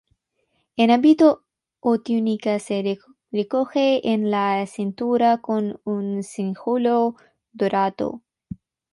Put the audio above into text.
El hábito o túnica, se recoge en la cintura con un Cíngulo dorado.